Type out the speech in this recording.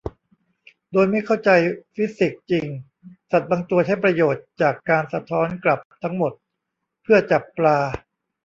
โดยไม่เข้าใจฟิสิกส์จริงสัตว์บางตัวใช้ประโยชน์จากการสะท้อนกลับทั้งหมดเพื่อจับปลา